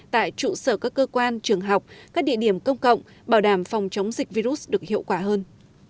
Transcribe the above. tại trụ sở các cơ quan trường học các địa điểm công cộng bảo đảm phòng chống dịch virus được hiệu quả hơn